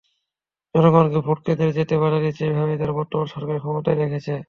জনগণকে ভোট কেন্দ্রে যেতে বাধা দিচ্ছে, এভাবেই তারা বর্তমান সরকারকে ক্ষমতায় রেখেছে।